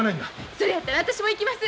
それやったら私も行きます。